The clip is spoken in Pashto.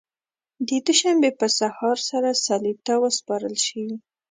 د دوشنبې په سهار سره صلیب ته وسپارل شي.